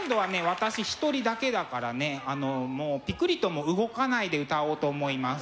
私一人だけだからねあのもうピクリとも動かないで歌おうと思います。